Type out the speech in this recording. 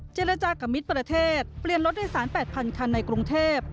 เจรจากับมิตรประเทศเปลี่ยนรถโดยสาร๘๐๐คันในกรุงเทพ